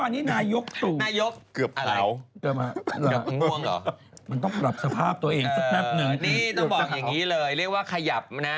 นี่ต้องบอกอย่างนี้เลยเรียกว่าขยับนะ